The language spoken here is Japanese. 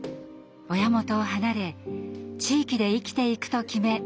親元を離れ地域で生きていくと決め